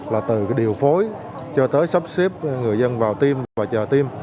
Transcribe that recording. là từ điều phối cho tới sắp xếp người dân vào tim và chờ tiêm